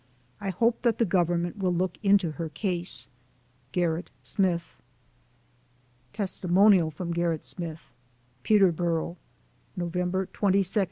I hope that the Government will look into her case. GERRIT SMITH. Testimonial from G err it Smith. PETERBORO, Nov. 22, 1864.